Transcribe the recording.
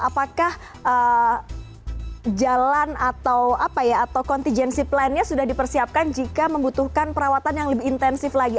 apakah jalan atau apa ya atau contingency plannya sudah dipersiapkan jika membutuhkan perawatan yang lebih intensif lagi